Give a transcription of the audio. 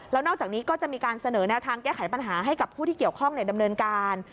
แล้วนอกจากนี้ก็จะมีการเสนอแนวทางแก้ไขปัญหาให้กับผู้ที่เกี่ยวข้องดำเนินการ